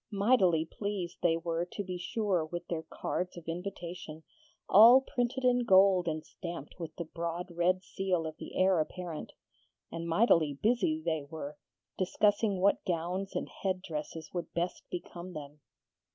Mightily pleased they were to be sure with their cards of invitation, all printed in gold and stamped with the broad red seal of the Heir Apparent; and mightily busy they were, discussing what gowns and head dresses would best become them.